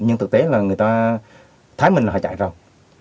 nhưng thực tế là người ta thái mình là họ chạy rồi